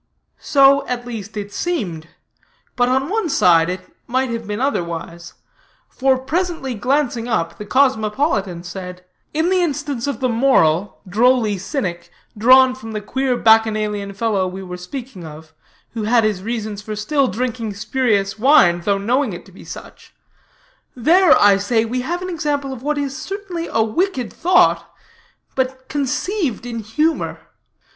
So, at least, it seemed; but on one side it might have been otherwise: for presently glancing up, the cosmopolitan said: "In the instance of the moral, drolly cynic, drawn from the queer bacchanalian fellow we were speaking of, who had his reasons for still drinking spurious wine, though knowing it to be such there, I say, we have an example of what is certainly a wicked thought, but conceived in humor.